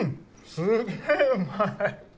すげぇうまい！